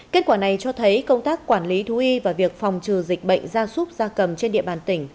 kết quả này cho thấy công tác quản lý thú y và việc phòng trừ dịch bệnh gia súc gia cầm trên địa bàn tỉnh